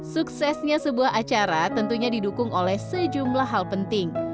suksesnya sebuah acara tentunya didukung oleh sejumlah hal penting